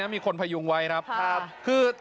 มีคนพยุงไว้ครับ